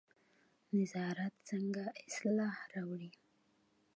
نظارت څنګه اصلاح راوړي؟